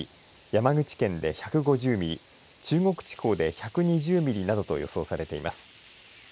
山口県で１５０ミリ中国地方で１２０ミリなどと予想されています。